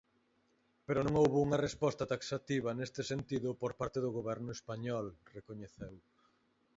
"Pero non houbo unha resposta taxativa neste sentido por parte do Goberno español", recoñeceu.